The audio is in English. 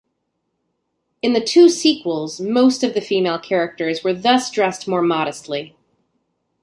In the two sequels, most of the female characters were thus dressed more modestly.